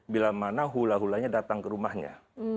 bila mana hula hulanya datang ke rumahnya